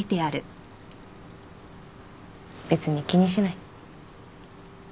別に気にしない。